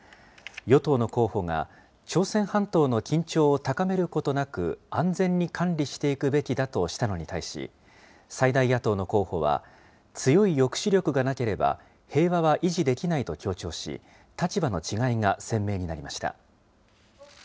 与党の候補が朝鮮半島の緊張を高めることなく、安全に管理していくべきだとしたのに対し、最大野党の候補は、強い抑止力がなければ平和は維持できないと強調し、立場の違いが鮮明になりました。